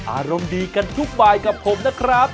อารมณ์ดีกันทุกบายกับผมนะครับ